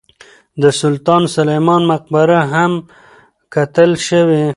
د سلطان سلیمان مقبره هم کتل شوې.